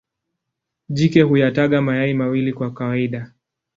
Jike huyataga mayai mawili kwa kawaida.